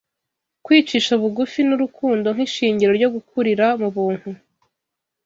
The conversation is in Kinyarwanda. kwicisha bugufi, n’urukundo nk’ishingiro ryo gukurira mu buntu